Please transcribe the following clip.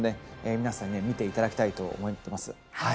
皆さんには見て頂きたいと思ってます。